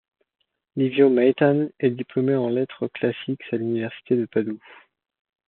Livio Maitan est diplômé en Lettres classiques à l'Université de Padoue.